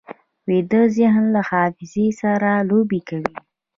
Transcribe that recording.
ویده ذهن له حافظې سره لوبې کوي